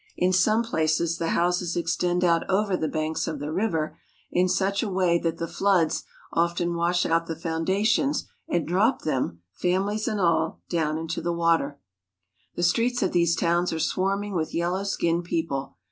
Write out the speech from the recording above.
In some places the houses extend out over the banks of the river in such a way that the floods often wash out the foundations and drop them, families and all, down into the water. The streets of these towns are swarming with yellow skinned people.